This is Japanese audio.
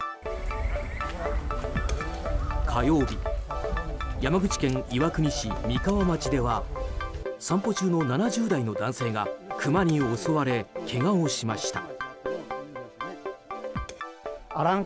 火曜日、山口県岩国市美川町では散歩中の７０代の男性がクマに襲われ、けがをしました。